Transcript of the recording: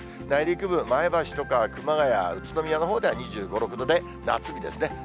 内陸部、前橋とか、熊谷、宇都宮のほうでは２５、６度で、夏日ですね。